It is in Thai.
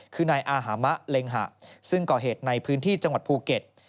คือนายอาหามะเล็งหะซึ่งก่อเหตุในพื้นที่จังหวัดภูเก็ต